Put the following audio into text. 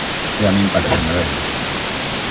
E a min paréceme ben.